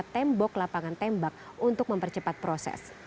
mereka juga mengecat tembok lapangan tembak untuk mempercepat proses